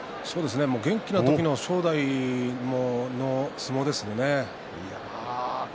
元気な時の正代の相撲ですよね。